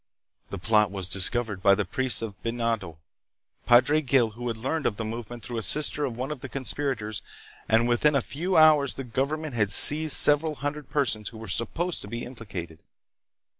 The plot was discovered by the priest of Binondo, Padre Gil, who learned of the movement through a sister of one of the conspirators, and within a few hours the government had seized several hundred persons who were supposed to be implicated.